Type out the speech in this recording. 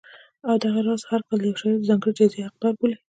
او دغه راز هر کال یو شاعر د ځانګړې جایزې حقدار بولي